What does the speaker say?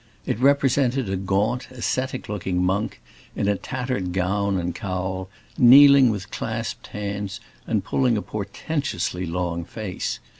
It represented a gaunt, ascetic looking monk, in a tattered gown and cowl, kneeling with clasped hands and pulling a portentously long face.